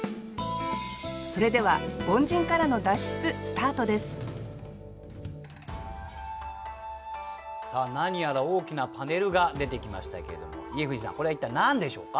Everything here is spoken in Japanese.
それでは「凡人からの脱出」スタートですさあ何やら大きなパネルが出てきましたけれども家藤さんこれは一体何でしょうか？